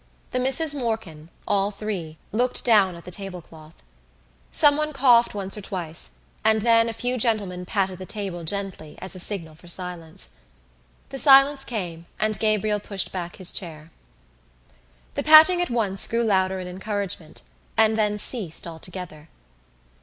The Misses Morkan, all three, looked down at the tablecloth. Someone coughed once or twice and then a few gentlemen patted the table gently as a signal for silence. The silence came and Gabriel pushed back his chair. The patting at once grew louder in encouragement and then ceased altogether.